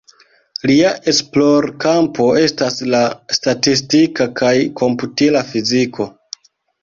Lia esplorkampo estas la statistika kaj komputila fiziko.